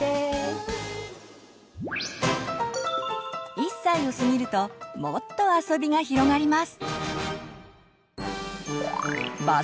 １歳を過ぎるともっとあそびが広がります！